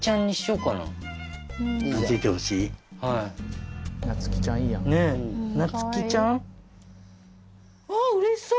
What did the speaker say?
うわうれしそう！